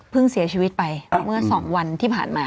เสียชีวิตไปเมื่อ๒วันที่ผ่านมา